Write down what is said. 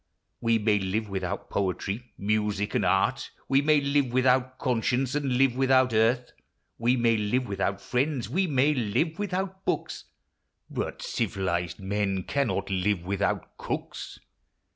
We may live without poetry, music, and art ; We may live without conscience, and live without earth • LIFE. 247 We may live without friends ; we may live without hooks ; But civilized men cannot live without cooks.